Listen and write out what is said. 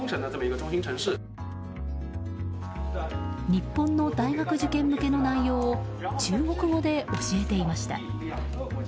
日本の大学受験向けの内容を中国語で教えていました。